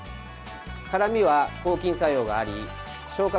辛みは抗菌作用があり消化